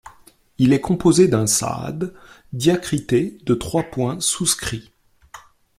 Elle est composée d’un ṣād diacrité de trois points souscrits.